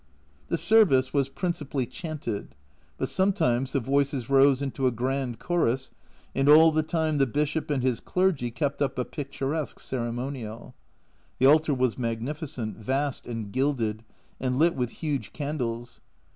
The service was principally chanted, but sometimes the voices rose into a grand chorus, and all the time the Bishop and his clergy kept up a picturesque ceremonial. The altar was magnificent, vast, and gilded and lit with huge candles.